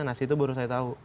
nah situ baru saya tahu